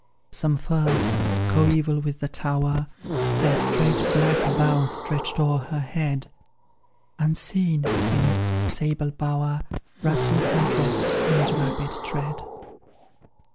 Some firs, coeval with the tower, Their straight black boughs stretched o'er her head; Unseen, beneath this sable bower, Rustled her dress and rapid tread.